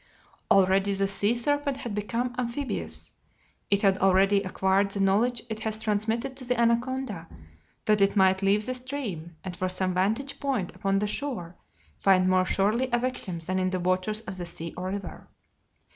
Already the sea serpent had become amphibious. It had already acquired the knowledge it has transmitted to the anaconda, that it might leave the stream, and, from some vantage point upon the shore, find more surely a victim than in the waters of the sea or river.